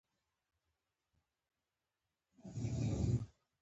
• باران د سیندونو څپو ته حرکت ورکوي.